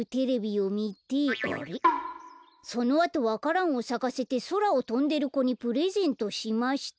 「そのあとわからんをさかせてそらをとんでる子にプレゼントしました」